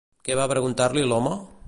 Què va preguntar-li l'home?